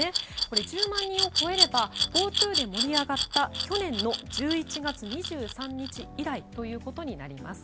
１０万人を超えればＧｏＴｏで盛り上がった去年の１１月２３日以来ということになります。